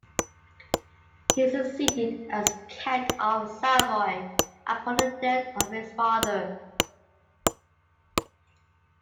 He succeeded as count of Savoy upon the death of his father.